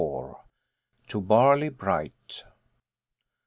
"TO BARLEY BRIGHT."